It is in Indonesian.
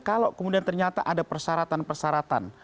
kalau kemudian ternyata ada persaratan